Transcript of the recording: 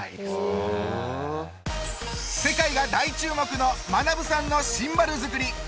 世界が大注目のマナブさんのシンバル作り